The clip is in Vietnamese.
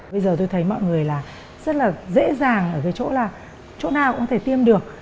bây giờ tôi thấy mọi người rất là dễ dàng ở cái chỗ nào cũng có thể tiêm được